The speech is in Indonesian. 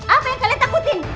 apa yang kalian takutin